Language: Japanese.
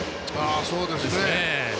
そうですね。